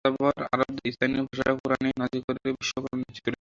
বরং যাযাবর আরবদের স্থানীয় ভাষায় কোরআন নাজিল করে বিশ্বকল্যাণ নিশ্চিত করা হয়েছে।